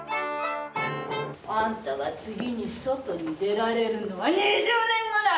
あんたが次に外に出られるのは２０年後だ！